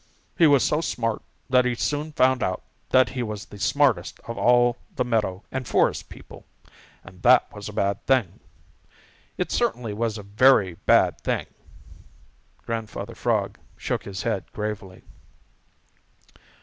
He was so smart that he soon found out that he was the smartest of all the meadow and forest people, and that was a bad thing. It certainly was a very bad thing." Grandfather Frog shook his head gravely.